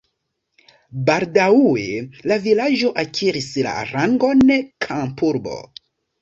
Baldaŭe la vilaĝo akiris la rangon kampurbo.